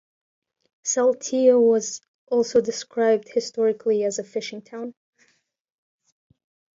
Saltillo was also described historically as a fishing town.